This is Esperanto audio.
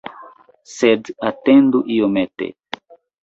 Sed atendu iomete!